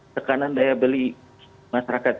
tekanan daya beli masyarakat